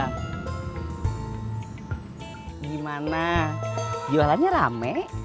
gimana jualannya rame